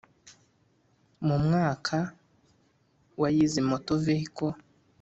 Mu mwaka wa yize motor vehicle